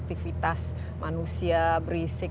aktivitas manusia berisik